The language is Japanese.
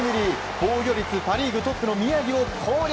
防御率パ・リーグトップの宮城を攻略。